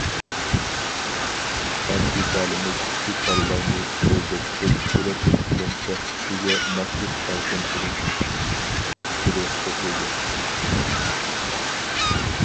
ئەپ دېتالىمىز كىچىك بالىلارنى كۆزدە تۇتۇپ سۈرەتلىك فىلىم سەھىپىسىگە مەخسۇس كارتون فىلىم تۈرى قوشۇلدى.